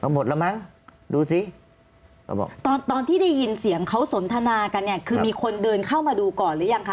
หมดแล้วมั้งดูสิเขาบอกตอนตอนที่ได้ยินเสียงเขาสนทนากันเนี่ยคือมีคนเดินเข้ามาดูก่อนหรือยังคะ